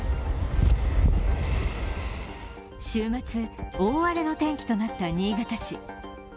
週末、大荒れの天気となった新潟市。